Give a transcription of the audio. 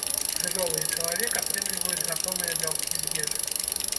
Жывёлы і чалавек атрымліваюць гатовыя бялкі з ежы.